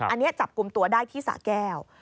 อันนี้จับกลุ่มตัวได้ที่สะแก้ว